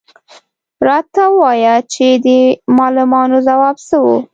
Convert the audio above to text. _راته ووايه چې د معلمانو ځواب څه و؟